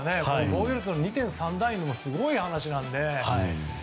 防御率の２．３台もすごい話なので。